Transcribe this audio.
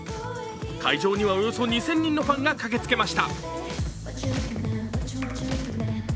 会場にはおよそ２０００人のファンが駆けつけました。